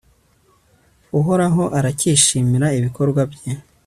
uhoraho arakishimira ibikorwa bye